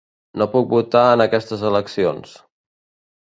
No puc votar en aquestes eleccions.